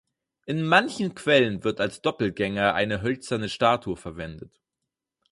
In manchen Quellen wird als Doppelgänger eine hölzerne Statue verwendet.